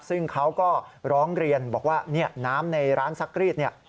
ซึ่งเขาก็ร้องเรียนบอกว่าเนี่ยน้ำในร้านซักรีดเนี่ย